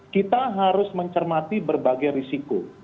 kita harus mencermati berbagai risiko